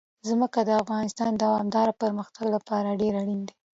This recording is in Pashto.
ځمکه د افغانستان د دوامداره پرمختګ لپاره ډېر اړین دي.